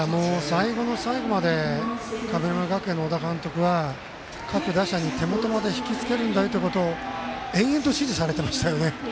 最後の最後まで神村学園の小田監督は各打者に手元まで引きつけるんだということを延々と指示されてましたよね。